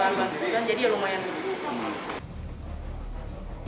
jadi ya lumayan